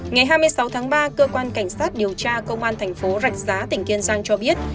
ngày hai mươi sáu tháng ba cơ quan cảnh sát điều tra công an thành phố rạch giá tỉnh kiên giang cho biết